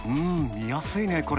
見やすいね、これ。